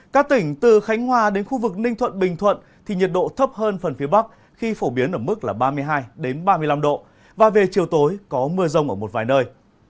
các tỉnh từ khánh hòa đến khu vực ninh thuận bình thuận thì nhiệt độ thấp hơn phần phía bắc khi phổ biến ở mức ba mươi hai ba mươi năm độ và về chiều tối có mưa rông ở một vài nơi